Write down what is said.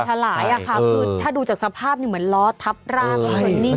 มันจะหลายค่ะคือถ้าดูจากสภาพอยู่เหมือนล้อทับร่างมันจะนิ่งจริง